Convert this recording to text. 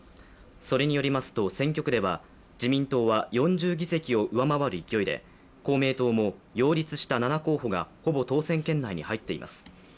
それによりますと選挙区では自民党は４０議席を上回る勢いで公明党も擁立した７候補がほぼ当選圏内に入っています。